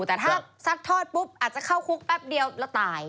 แต่ถ้าซัดทอดปุ๊บอาจจะเข้าคุกแป๊บเดียวแล้วตาย